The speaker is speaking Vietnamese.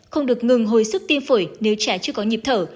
không được ngừng hồi sức tim phổi nếu trẻ chưa có nhịp thở